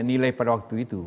nilai pada waktu itu